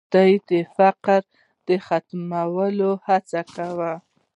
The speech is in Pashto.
دوی د فقر د ختمولو هڅه کوي.